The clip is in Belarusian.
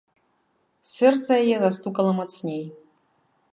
Сэрца яе застукала мацней.